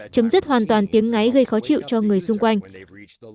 chấm dứt hoàn toàn tiếng ngáy gây khó chịu cho người xung quanh